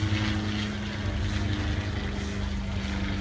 สวัสดีครับคุณผู้ชาย